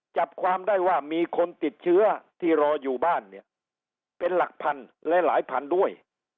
จับความได้ว่ามีคนติดเชื้อที่รออยู่บ้านเนี่ยเป็นหลักพันและหลายพันด้วย